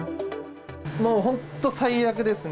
もう本当、最悪ですね。